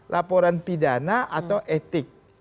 laporan pidana atau etik